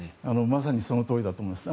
まさにそのとおりだと思います。